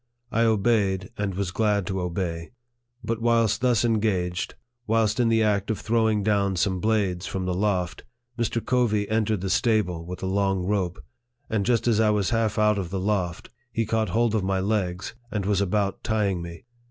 I obeyed, and was glad to obey. But whilst thus engaged, whilst in the act of throwing down some blades from the loft, Mr. Covey entered the stable with a long rope ; and just as I was half out of the loft, he caught hold of my legs, and was about tying me.